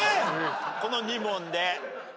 この２問で。